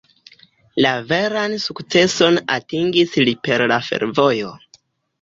La veran sukceson atingis li per la fervojo.